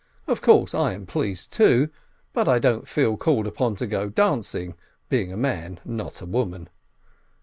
Of course, I am pleased, too, but I don't feel called upon to go dancing, being a man and not a woman.